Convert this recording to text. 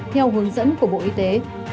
theo hướng dẫn của bộ y tế